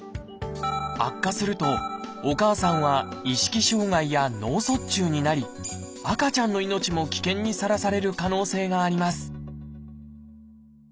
悪化するとお母さんは意識障害や脳卒中になり赤ちゃんの命も危険にさらされる可能性があります